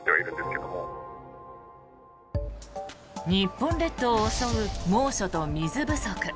日本列島を襲う猛暑と水不足。